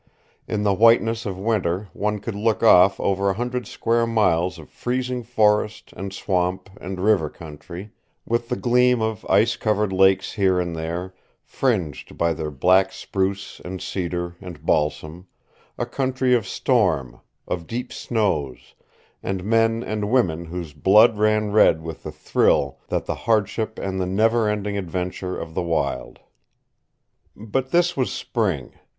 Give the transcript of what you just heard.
In the whiteness of winter one could look off over a hundred square miles of freezing forest and swamp and river country, with the gleam of ice covered lakes here and there, fringed by their black spruce and cedar and balsam a country of storm, of deep snows, and men and women whose blood ran red with the thrill that the hardship and the never ending adventure of the wild. But this was spring.